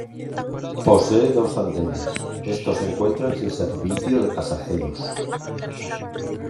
Posee dos andenes, estos se encuentran sin servicio de pasajeros.